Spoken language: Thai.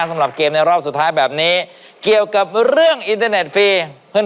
สำหรับเกมในรอบสุดท้ายแบบนี้เกี่ยวกับเรื่องอินเทอร์เน็ตฟรีเพื่อน